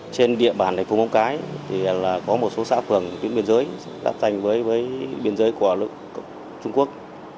trên địa bàn phố mong cái có một số xã phường biên giới đáp thành với biên giới của trung quốc